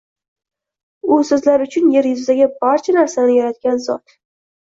U sizlar uchun yer yuzidagi barcha narsani yaratgan zot.